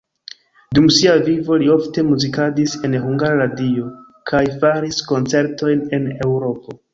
Dum sia vivo li ofte muzikadis en Hungara Radio kaj faris koncertojn en Eŭropo.